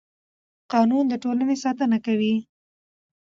قانون د ټولنې ساتنه کوي